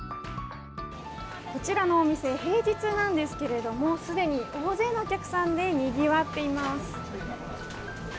こちらのお店平日なんですけどもすでに大勢のお客さんでにぎわっています。